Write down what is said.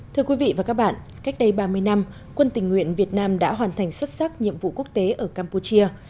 thưa quý vị và các bạn cách đây ba mươi năm quân tình nguyện việt nam đã hoàn thành xuất sắc nhiệm vụ quốc tế ở campuchia